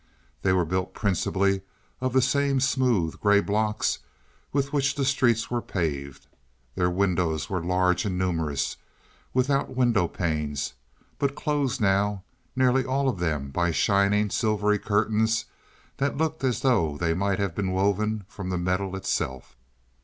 They were built principally of the same smooth, gray blocks with which the streets were paved. Their windows were large and numerous, without window panes, but closed now, nearly all of them by shining, silvery curtains that looked as though they might have been woven from the metal itself.